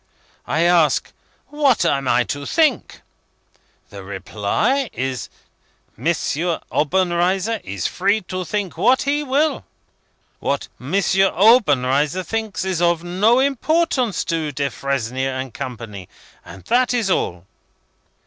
I ask, what am I to think? The reply is, 'M. Obenreizer is free to think what he will. What M. Obenreizer thinks, is of no importance to Defresnier and Company.' And that is all."